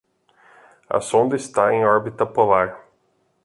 A sonda está em órbita polar